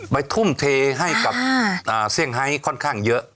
ทุ่มเทให้กับเซี่ยงไฮค่อนข้างเยอะ